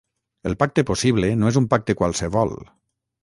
El pacte possible no és un pacte qualsevol.